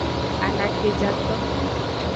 Anakejato.